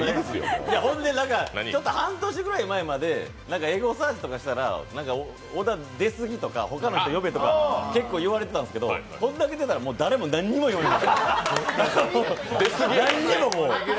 ほんで、半年ぐらい前までエゴサーチしたら小田、出過ぎとか、他の人呼べとか結構言われてたんですけどこれだけ出てたら、誰も何も言わない。